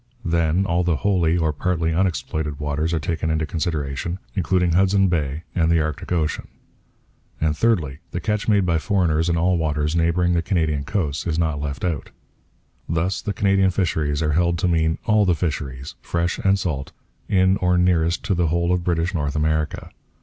Then, all the wholly or partly unexploited waters are taken into consideration, including Hudson Bay and the Arctic ocean. And, thirdly, the catch made by foreigners in all waters neighbouring the Canadian coasts is not left out. Thus the Canadian fisheries are held to mean all the fisheries, fresh and salt, in or nearest to the whole of British North America.